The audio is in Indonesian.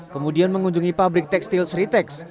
kemudian mengunjungi pabrik tekstil sritex